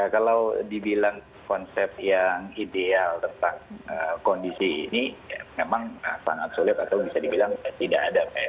kalau dibilang konsep yang ideal tentang kondisi ini memang sangat sulit atau bisa dibilang tidak ada